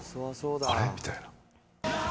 あれ？みたいな。